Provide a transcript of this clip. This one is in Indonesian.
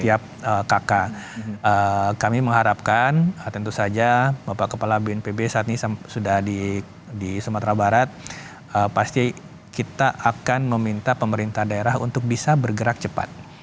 siap kakak kami mengharapkan tentu saja bapak kepala bnpb saat ini sudah di sumatera barat pasti kita akan meminta pemerintah daerah untuk bisa bergerak cepat